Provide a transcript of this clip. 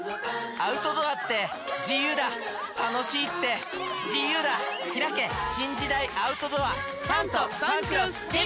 アウトドアって自由だ楽しい！って自由だひらけ新時代アウトドア「タントファンクロス」デビュー！